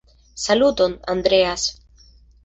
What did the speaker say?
Saluton, Andreas!